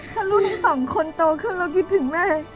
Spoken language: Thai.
ถ้ารุ่นทั้งสองคนโตขึ้นแล้วคิดถึงแม่